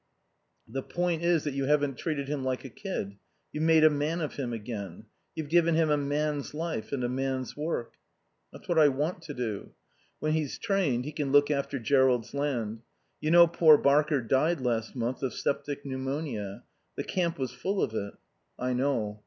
"The point is that you haven't treated him like a kid. You've made a man of him again. You've given him a man's life and a man's work." "That's what I want to do. When he's trained he can look after Jerrold's land. You know poor Barker died last month of septic pneumonia. The camp was full of it." "I know."